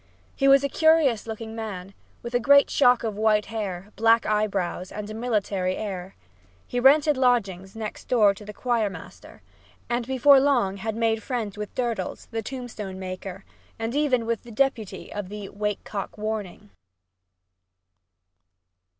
He was a curious looking man, with a great shock of white hair, black eyebrows and a military air. He rented lodgings next door to the choir master, and before long had made friends with Durdles, the tombstone maker, and even with The Deputy of the "wake cock warning."